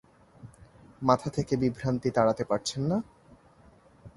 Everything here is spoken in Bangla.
মাথা থেকে বিভ্রান্তি তাড়াতে পারছেন না।